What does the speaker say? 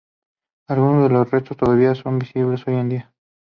Algunos de los restos todavía son visibles hoy en día.